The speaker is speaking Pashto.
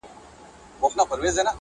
کوزه په درې پلا ماتېږي.